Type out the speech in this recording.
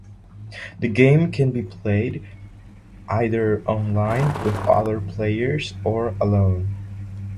The game can be played either online with other players or alone.